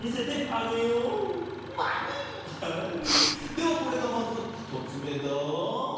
ではこれがまずひとつめだ。